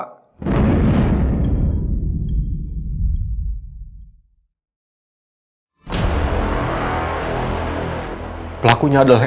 aku akan ngomong yang sebenarnya